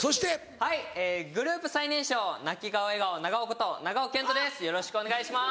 はいグループ最年少泣き顔笑顔長尾こと長尾謙杜です